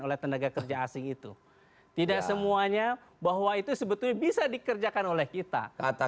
oleh tenaga kerja asing itu tidak semuanya bahwa itu sebetulnya bisa dikerjakan oleh kita kata